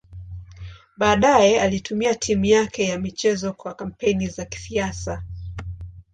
Baadaye alitumia timu yake ya michezo kwa kampeni za kisiasa.